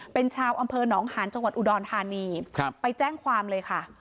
เป็นชาวอำเภอหนองหาญจังหวัดอุดรธานีไปแจ้งความเลยค่ะ